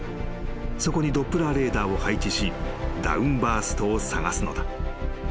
［そこにドップラーレーダーを配置しダウンバーストを探すのだ］